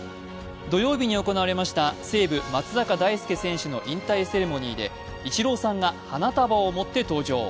土曜日に行われました西武松坂大輔選手の引退セレモニーでイチローさんが花束を持って登場。